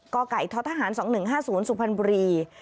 กไก่ททหาร๒๑๕๐สุพรรณบุรี